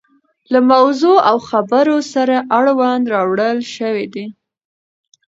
له موضوع او خبور سره اړوند راوړل شوي دي.